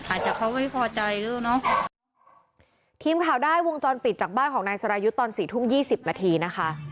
อาจจะเขาไม่พอใจแล้วเนอะทีมข่าวได้วงจรปิดจากบ้านของนายสรายุทธ์ตอนสี่ทุ่มยี่สิบนาทีนะคะ